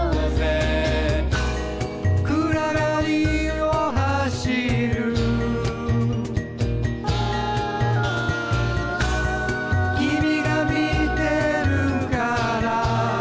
「暗がりを走る」「君が見てるから」